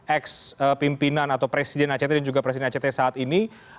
ex pimpinan atau presiden act dan juga presiden act saat ini